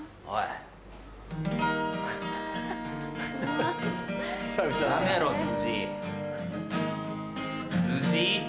おい！